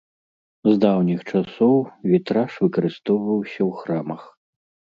З даўніх часоў вітраж выкарыстоўваўся ў храмах.